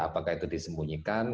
apakah itu disembunyikan